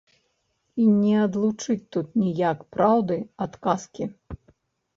І не адлучыць тут ніяк праўды ад казкі.